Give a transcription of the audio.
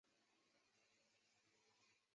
阿巴雷是巴西巴伊亚州的一个市镇。